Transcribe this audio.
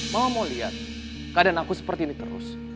mau lihat keadaan aku seperti ini terus